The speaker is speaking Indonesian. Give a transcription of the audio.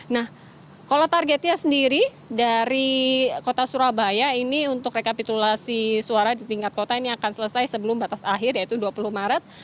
nah kalau targetnya sendiri dari kota surabaya ini untuk rekapitulasi suara di tingkat kota ini akan selesai sebelum batas akhir yaitu dua puluh maret